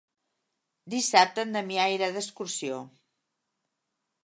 Dissabte en Damià irà d'excursió.